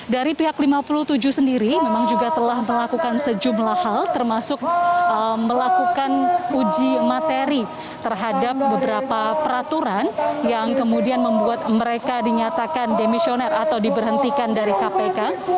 dari pihak lima puluh tujuh sendiri memang juga telah melakukan sejumlah hal termasuk melakukan uji materi terhadap beberapa peraturan yang kemudian membuat mereka dinyatakan demisioner atau diberhentikan dari kpk